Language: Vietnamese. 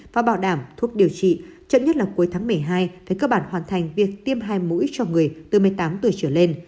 và bảo đảm thuốc điều trị chậm nhất là cuối tháng một mươi hai phải cơ bản hoàn thành việc tiêm hai mũi cho người từ một mươi tám tuổi trở lên